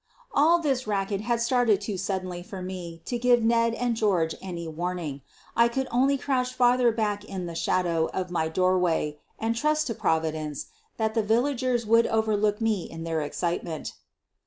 All this racket had started too suddenly for me to give Ned and George any warning. I could only ' crouch farther back in the shadow of my doorway and trust to Providence that the villagers would overlook me in their excitement.